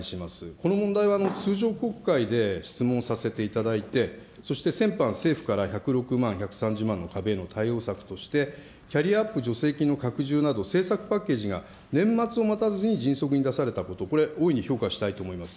この問題は通常国会で質問させていただいて、そして先般、政府から１０６万、１３０万の壁への対応策として、キャリアアップ助成金の拡充など政策パッケージが年末を待たずに迅速に出されたこと、大いに評価したいと思います。